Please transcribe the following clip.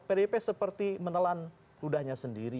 pdip seperti menelan ludahnya sendiri